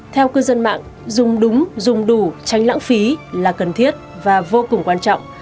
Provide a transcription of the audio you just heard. theo cư dân mạng dùng đúng dùng đủ tránh lãng phí là cần thiết và vô cùng quan trọng